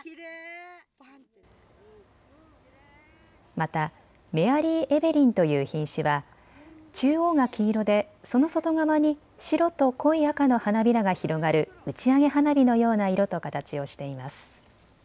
また、メアリーエベリンという品種は中央が黄色で、その外側に白と濃い赤の花びらが広がる打ち上げ花火のような色と形をしています。